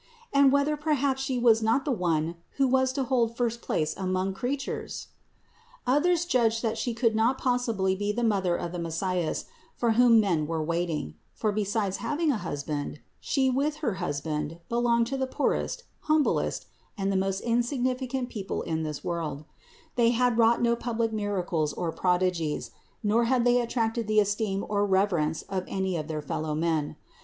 And whether perhaps She was not the one who was to hold first place among creatures ? 328. Others judged that She could not possibly be the Mother of the Messias, for whom men were waiting; for besides having a husband, She with her husband belonged to the poorest, humblest, and the most insig nificant people in this world : they had wrought no public miracles or prodigies, nor had they attracted the esteem or reverence of any of their fellowmen.